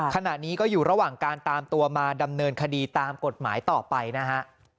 ขณะนี้ก็อยู่ระหว่างการตามตัวมาดำเนินคดีตามกฎหมายต่อไปนะฮะ